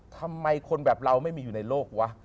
ทำไมคนแบบเราไม่มีอยู่ในโลกวะ